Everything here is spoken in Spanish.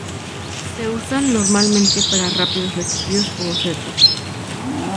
Se usan normalmente para rápidos estudios o bocetos.